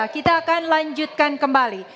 kita akan lanjutkan kembali